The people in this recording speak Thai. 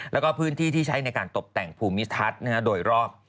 แล้วก็พื้นที่ที่ใช้ในการตกแต่งภูมิทัศน์โดยรอบ